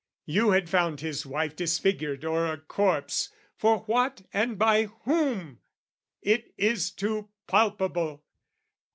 You had found his wife disfigured or a corpse, For what and by whom? It is too palpable!